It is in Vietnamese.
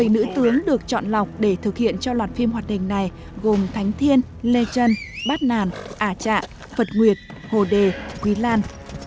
bảy nữ tướng được chọn lọc để thực hiện cho loạt phim hoạt hình này gồm thánh thiên lê trân bát nàn ả trạng phật nguyệt hồ đề quý lan